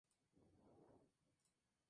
Su estilo de tocar era clásico y contenido.